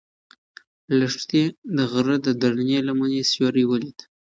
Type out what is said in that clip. لښتې د غره د درنې لمنې سیوری ولید.